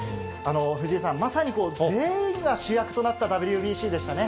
藤井さん、まさに全員が主役となったＷＢＣでしたね。